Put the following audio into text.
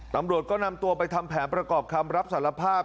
ตำรวจก็นำตัวไปทำแผนประกอบคำรับสารภาพ